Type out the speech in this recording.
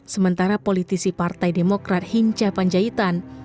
sementara politisi partai demokrat hinca panjaitan